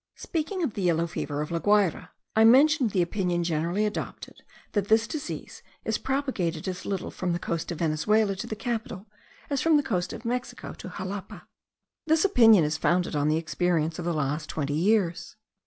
Speaking of the yellow fever of La Guayra, I mentioned the opinion generally adopted, that this disease is propagated as little from the coast of Venezuela to the capital, as from the coast of Mexico to Xalapa. This opinion is founded on the experience of the last twenty years.